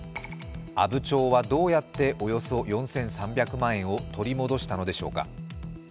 阿武町はどうやっておよそ４３００万円を取り戻したのでしょうか。